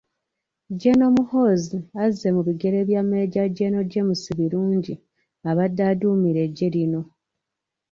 General Muhoozi azze mu bigere bya Meeja General James Birungi abadde aduumira eggye lino.